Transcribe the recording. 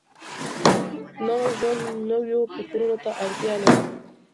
نوی ژوند نويو فکرونو ته اړتيا لري.